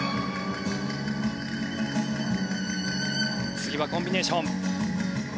次はコンビネーション。